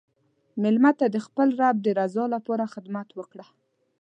مېلمه ته د خپل رب د رضا لپاره خدمت وکړه.